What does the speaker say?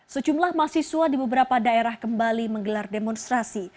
sejumlah mahasiswa di beberapa daerah kembali menggelar demonstrasi